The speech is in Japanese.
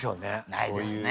ないですね。